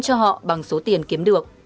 cho họ bằng số tiền kiếm được